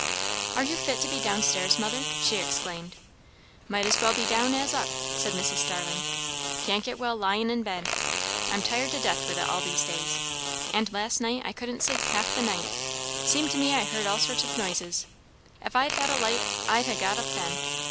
"Are you fit to be down stairs, mother?" she exclaimed. "Might as well be down as up," said Mrs. Starling. "Can't get well lying in bed. I'm tired to death with it all these days; and last night I couldn't sleep half the night; seemed to me I heard all sorts of noises. If I'd had a light I'd ha' got up then.